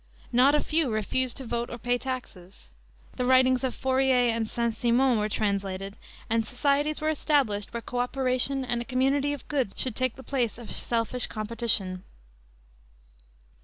Not a few refused to vote or pay taxes. The writings of Fourier and St. Simon were translated, and societies were established where co operation and a community of goods should take the place of selfish competition.